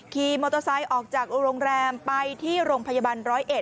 ขี่มอเตอร์ไซค์ออกจากโรงแรมไปที่โรงพยาบาลร้อยเอ็